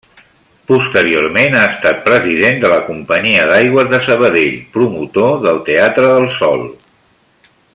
Posteriorment ha estat president de la Companyia d'Aigües de Sabadell, promotor del Teatre del Sol.